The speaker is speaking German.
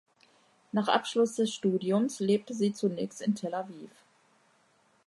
Nach Abschluss des Studiums lebte sie zunächst in Tel Aviv.